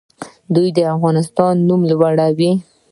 دوی د افغانستان نوم لوړوي.